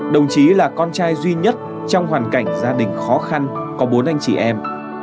đồng chí là con trai duy nhất trong hoàn cảnh gia đình khó khăn có bốn anh chị em